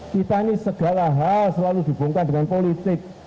kita ini segala hal selalu dihubungkan dengan politik